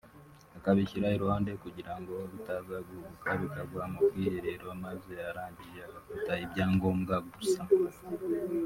akabishyira iruhande kugira ngo bitaza guhubuka bikagwa mu bwiherero maze arangije agafata ibyangombwa gusa